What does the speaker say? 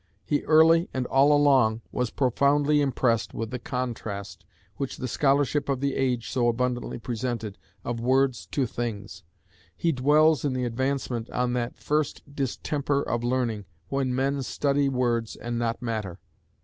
He early and all along was profoundly impressed with the contrast, which the scholarship of the age so abundantly presented, of words to things. He dwells in the Advancement on that "first distemper of learning, when men study words and not matter."